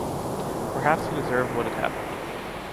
Perhaps he deserved what had happened.